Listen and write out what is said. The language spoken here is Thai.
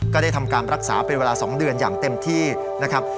ก็ได้ทำการรักษาเป็นเวลา๒เดือนอย่างเต็มที่นะครับ